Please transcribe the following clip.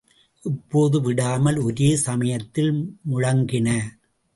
இப்போது விடாமல் ஒரே சமயத்தில் முழங்கின.